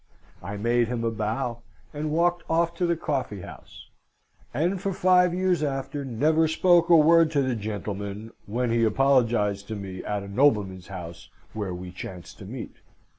I made him a bow, and walked off to the coffee house, and for five years after never spoke a word to the gentleman, when he apologised to me, at a nobleman's house where we chanced to meet.